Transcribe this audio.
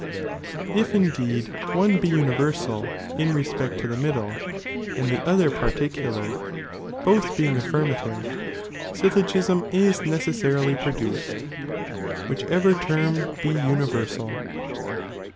If indeed one be universal in respect to the middle,' and the other particular, both being affirmative, syllogism is neeessarily produced, whichever term be universal.